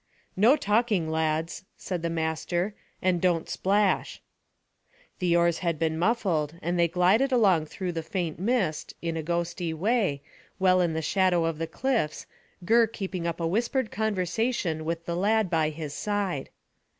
"No talking, lads," said the master, "and don't splash." The oars had been muffled, and they glided along through the faint mist, in a ghostly way, well in the shadow of the cliffs, Gurr keeping up a whispered conversation with the lad by his side.